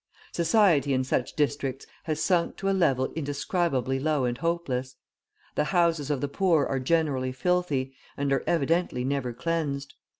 Society in such districts has sunk to a level indescribably low and hopeless. The houses of the poor are generally filthy, and are evidently never cleansed.